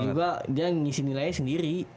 itu juga dia ngisi nilainya sendiri